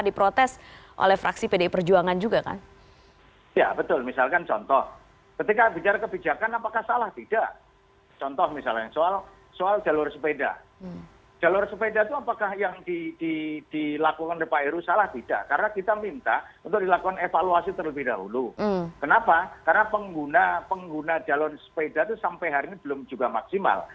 karena pengguna jalur sepeda itu sampai hari ini belum juga maksimal